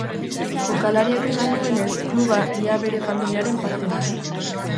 Jokalariak esan duenez, kluba ia bere familiaren parte da.